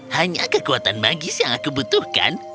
hanya kekuatan magis yang aku butuhkan